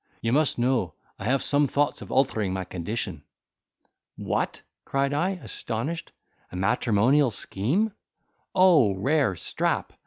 You must know, I have some thoughts of altering my condition." "What!" cried I, astonished, "a matrimonial scheme? O rare Strap!